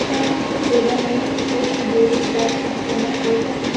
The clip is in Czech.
Lidé mají pochyby, zda je slučitelné s politikou.